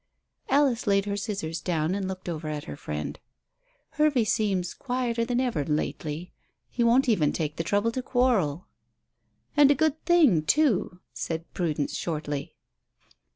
Alice laid her scissors down and looked over at her friend. "Hervey seems quieter than ever lately. He won't even take the trouble to quarrel." "And a good thing too," said Prudence shortly.